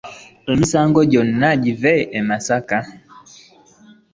Emisango gyonna give e Masaka.